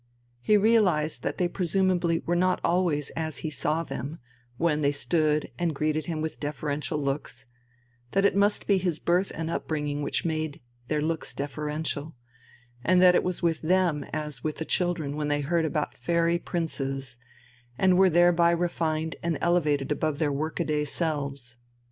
He realized that they presumably were not always as he saw them, when they stood and greeted him with deferential looks; that it must be his birth and upbringing which made their looks deferential, and that it was with them as with the children when they heard about fairy princes, and were thereby refined and elevated above their work a day selves.